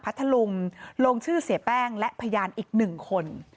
พัทธลุงลงชื่อเสียแป้งและพยานอีก๑คน